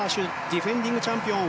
ディフェンディングチャンピオン。